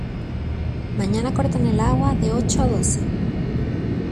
Mañana cortan el agua de ocho a doce.